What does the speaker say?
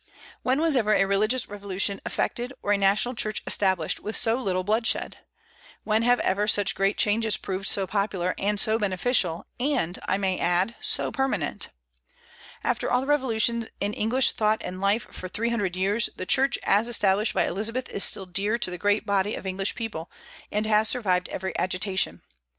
When was ever a religious revolution effected, or a national church established, with so little bloodshed? When have ever such great changes proved so popular and so beneficial, and, I may add, so permanent? After all the revolutions in English thought and life for three hundred years, the Church as established by Elizabeth is still dear to the great body of English people, and has survived every agitation.